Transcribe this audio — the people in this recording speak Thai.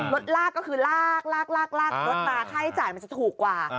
รถลากก็คือลากลากรถมาค่าใช้จ่ายมันจะถูกกว่า